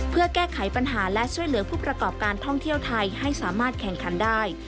เพื่อแก้ไขปัญหาและช่วยเหลือผู้ประกอบการท่องเที่ยวไทยให้สามารถแข่งขันได้